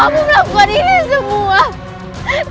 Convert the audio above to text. kau tidak akan menang